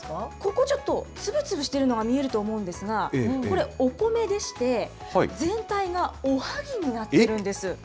ここちょっと、つぶつぶしてるのが見えると思うんですが、これ、お米でして、全体がおはぎになってるんです。